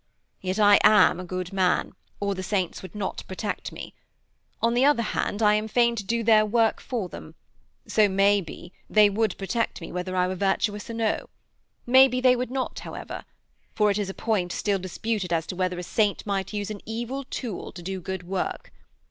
Yet I am a good man, or the saints would not protect me. On the other hand, I am fain to do their work for them: so may be, they would protect me whether I were virtuous or no. Maybe they would not, however: for it is a point still disputed as to whether a saint might use an evil tool to do good work.